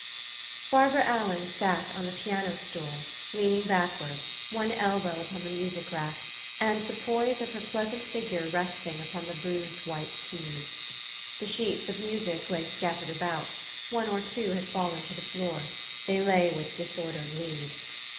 BARBARA ALLEN sat on the piano stool, lean ing backward, one elbow upon the music rack, and the poise of her pleasant figure resting upon the bruised white ke} T s. The sheets of music lay scattered about ; one or two had fallen to the floor : they lay with disordered leaves.